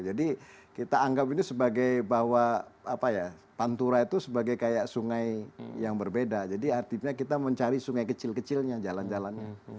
jadi kita anggap ini sebagai bahwa pantura itu sebagai kayak sungai yang berbeda jadi artinya kita mencari sungai kecil kecilnya jalan jalannya